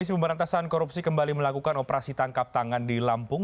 pemberantasan korupsi kembali melakukan operasi tangkap tangan di lampung